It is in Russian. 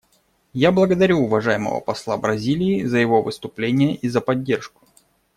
Я благодарю уважаемого посла Бразилии за его выступление и за поддержку.